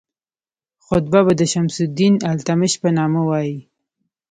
خطبه به د شمس الدین التمش په نامه وایي.